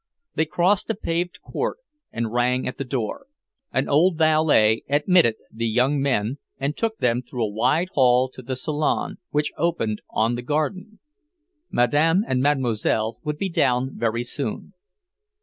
They crossed a paved court and rang at the door. An old valet admitted the young men, and took them through a wide hall to the salon, which opened on the garden. Madame and Mademoiselle would be down very soon.